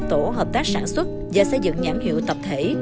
tổ hợp tác sản xuất và xây dựng nhãn hiệu tập thể